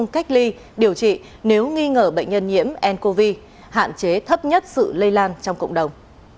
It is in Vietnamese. cách ly điều trị nếu nghi ngờ bệnh nhân nhiễm ncov hạn chế thấp nhất sự lây lan trong cộng đồng